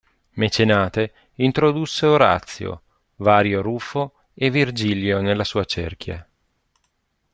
Mecenate introdusse Orazio, Vario Rufo e Virgilio nella sua cerchia.